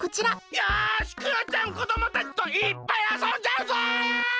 よしクヨちゃんこどもたちといっぱいあそんじゃうぞ！